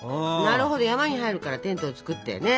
なるほど山に入るからテントを作ってね。